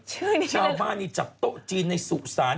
ชาวบ้านนี่จับโต๊ะจีนในสุสาน